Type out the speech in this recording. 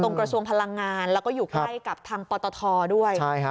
กระทรวงพลังงานแล้วก็อยู่ใกล้กับทางปตทด้วย